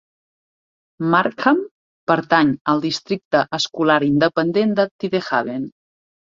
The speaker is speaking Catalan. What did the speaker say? Markham pertany al districte escolar independent de Tidehaven